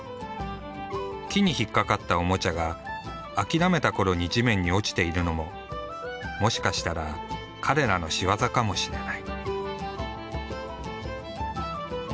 木に引っ掛かったおもちゃが諦めたころに地面に落ちているのももしかしたら彼らの仕業かもしれない。